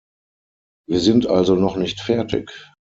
Wir sind also noch nicht fertig.